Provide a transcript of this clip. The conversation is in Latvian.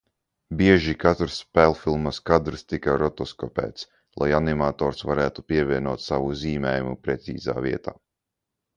Bieži katrs spēlfilmas kadrs tika rotoskopēts, lai animators varētu pievienot savu zīmējumu precīzā vietā.